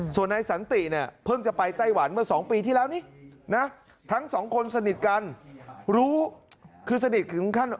ส่วนนายสันติเพิ่งจะไปไต้หวันเมื่อ๒ปีที่แล้วนี่ทั้ง๒คนสนิทกัน